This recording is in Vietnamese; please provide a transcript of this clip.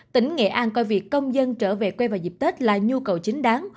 tỉnh nghệ an coi việc công dân trở về quê vào dịp tết là nhu cầu chính đáng